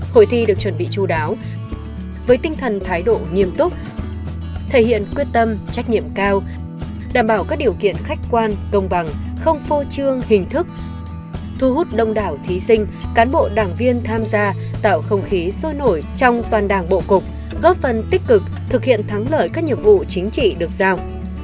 hội thi được chuẩn bị chú đáo với tinh thần thái độ nghiêm túc thể hiện quyết tâm trách nhiệm cao đảm bảo các điều kiện khách quan công bằng không phô trương hình thức thu hút đông đảo thí sinh cán bộ đảng viên tham gia tạo không khí sôi nổi trong toàn đảng bộ cục góp phần tích cực thực hiện thắng lời các nhiệm vụ chính trị được giao